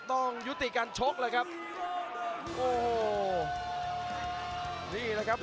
หัวจิตหัวใจแก่เกินร้อยครับ